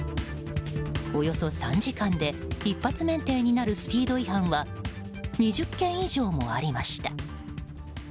およそ３時間で一発免停になるスピード違反は２０件以上もありました。